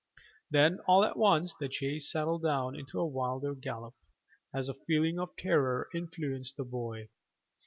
Then all at once the chase settled down into a wilder gallop, as a feeling of terror influenced the boy.